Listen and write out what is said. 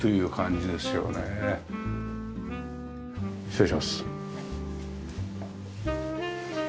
失礼します。